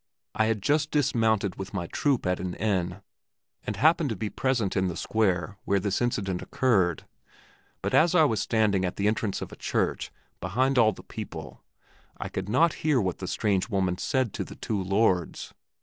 I had just dismounted with my troop at an inn, and happened to be present in the square where this incident occurred, but as I was standing at the entrance of a church, behind all the people, I could not hear what the strange woman said to the two lords.